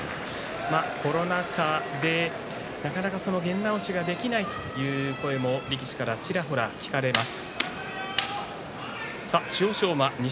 コロナ禍で験直しができないという声も力士からちらほら聞かれます。